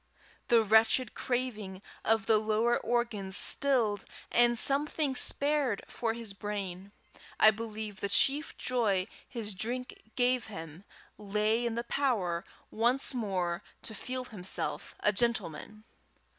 The wretched craving of the lower organs stilled, and something spared for his brain, I believe the chief joy his drink gave him lay in the power once more to feel himself a gentleman.